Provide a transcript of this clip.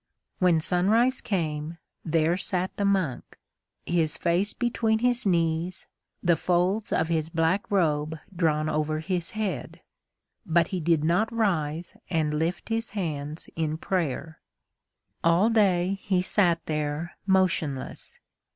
When sunrise came, there sat the monk, his face between his knees, the folds of his black robe drawn over his head. But he did not rise and lift his hands in prayer. All day he sat there, motionless.